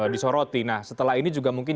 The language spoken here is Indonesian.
disoroti nah setelah ini juga mungkin